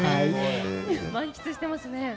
満喫していますね。